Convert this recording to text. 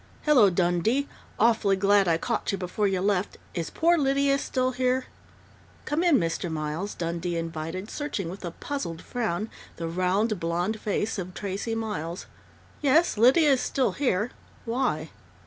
"Hello, Dundee! Awfully glad I caught you before you left.... Is poor Lydia still here?" "Come in, Mr. Miles," Dundee invited, searching with a puzzled frown the round, blond face of Tracey Miles. "Yes, Lydia is still here.... Why?"